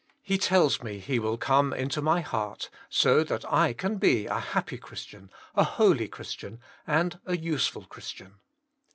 He tells me He will come into my heart, so that I can be a happy Christian, a holy Chris tian, and a useful Christian.